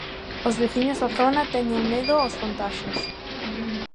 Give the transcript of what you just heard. Os veciños da zona teñen medo aos contaxios.